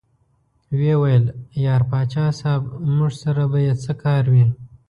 ویې ویل: یار پاچا صاحب موږ سره به یې څه کار وي.